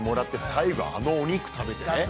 最後、あのお肉食べてね。